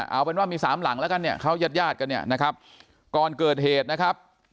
เอาเป็นว่ามีสามหลังแล้วกันเนี่ยเขายาดกันเนี่ยนะครับก่อนเกิดเหตุนะครับ